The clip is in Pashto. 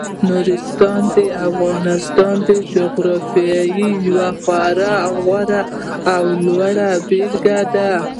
نورستان د افغانستان د جغرافیې یوه خورا غوره او لوړه بېلګه ده.